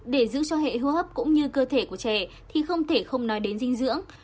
để giữ cho hệ hô hấp cũng như cơ thể của trẻ thì không thể không nói đến dinh dưỡng